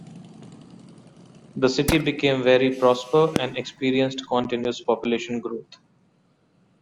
The city become very prosper and experienced continuous population growth.